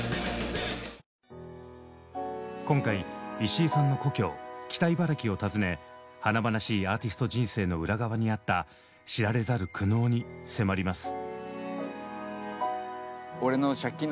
今回石井さんの故郷北茨城を訪ね華々しいアーティスト人生の裏側にあった知られざる苦悩に迫ります。